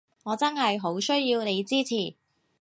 我真係好需要你支持